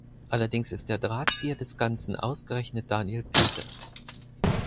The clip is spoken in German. Allerdings ist der Drahtzieher des Ganzen ausgerechnet Daniel Peters.